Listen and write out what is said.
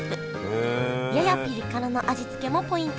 ややピリ辛の味付けもポイントです